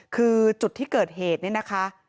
คือจุดที่เกิดเหตุเนี่ยนะคะ